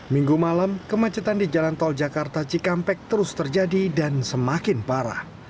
minggu malam kemacetan di jalan tol jakarta cikampek terus terjadi dan semakin parah